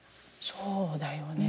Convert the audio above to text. そうだよね。